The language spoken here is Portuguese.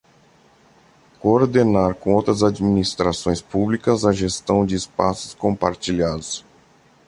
Coordenar com outras administrações públicas a gestão de espaços compartilhados.